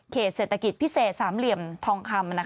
เศรษฐกิจพิเศษสามเหลี่ยมทองคำ